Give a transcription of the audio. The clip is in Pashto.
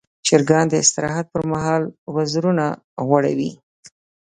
چرګان د استراحت پر مهال وزرونه غوړوي.